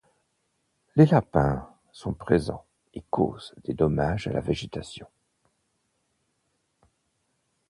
Les lapins sont présents et causent des dommages à la végétation.